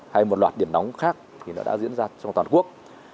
hay một loạt điểm nóng khác đã diễn ra trong toàn quốc